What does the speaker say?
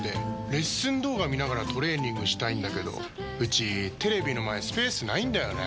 レッスン動画見ながらトレーニングしたいんだけどうちテレビの前スペースないんだよねー。